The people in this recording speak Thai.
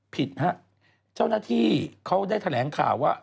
ผิดฮะเจ้าหน้าที่เขาได้แถลงข่าวว่า